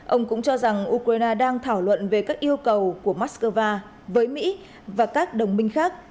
ông cũng cho rằng ukraine đang thảo luận về các yêu cầu của moscow với mỹ và các đồng minh khác